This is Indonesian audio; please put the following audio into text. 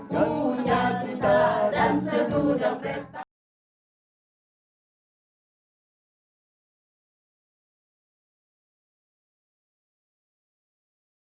dan punya cinta dan setudah prestasi